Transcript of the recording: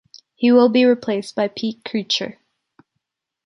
He will be replaced by Pete Kircher.